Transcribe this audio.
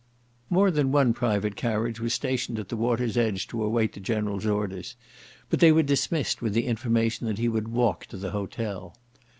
More than one private carriage was stationed at the water's edge to await the General's orders, but they were dismissed with the information that he would walk to the hotel.